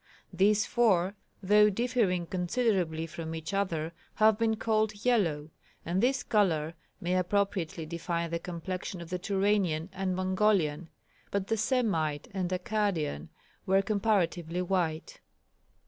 These four, though differing considerably from each other, have been called "yellow," and this colour may appropriately define the complexion of the Turanian and Mongolian, but the Semite and Akkadian were comparatively white.